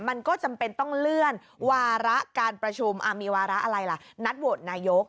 มันก็จำเป็นต้องเลื่อนวาระการประชุมมีวาระอะไรล่ะนัดโหวตนายก